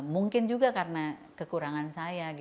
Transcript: mungkin juga karena kekurangan saya